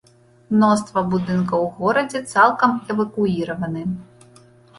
Мноства будынкаў у горадзе цалкам эвакуіраваны.